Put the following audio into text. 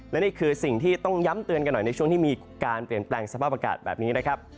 และนี่คือสิ่งที่ต้องย้ำเตือนกันหน่อยในช่วงที่มีการเปลี่ยนแปลงสภาพอากาศแบบนี้นะครับ